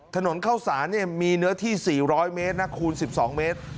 ถนนเข้าสารมีเนื้อที่๔๐๐เมตรนะคูณ๑๒เมตร